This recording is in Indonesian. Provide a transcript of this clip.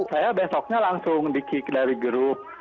saya besoknya langsung di kick dari grup